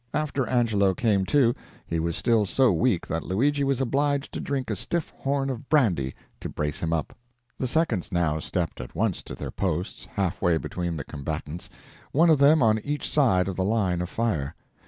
After Angelo came to he was still so weak that Luigi was obliged to drink a stiff horn of brandy to brace him up. The seconds now stepped at once to their posts, halfway between the combatants, one of them on each side of the line of fire.